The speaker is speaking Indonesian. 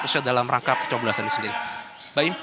khususnya dalam rangka kecobolasan sendiri